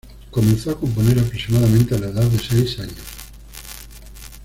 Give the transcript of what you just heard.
Comenzó a componer aproximadamente a la edad de seis años.